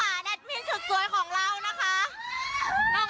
อ๋อใจเย็นใจเย็นใจเย็นอ่าดีใจด้วยนะคะ